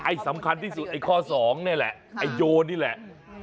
สำคัญที่สุดไอ้ข้อสองนี่แหละไอ้โยนนี่แหละ